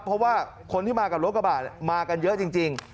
เพราะว่าคนที่มากับรถกระบะมากันเยอะจริง